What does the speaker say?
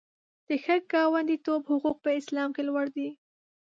د ښه ګاونډیتوب حقوق په اسلام کې لوړ دي.